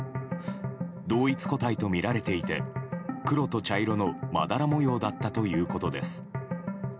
同一個体とみられていて黒と茶色のまだら模様だったということです。